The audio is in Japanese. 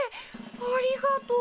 ありがとう。